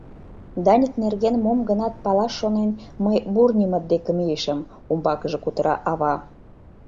— Даник нерген мом-гынат палаш шонен, мый Бурнимыт деке мийышым, — умбакыже кутыра ава.